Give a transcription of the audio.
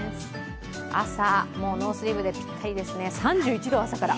朝、もうノースリーブでぴったりですね、３１度、朝から。